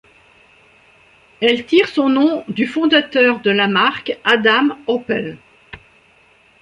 Elle tire son nom du fondateur de la marque Adam Opel.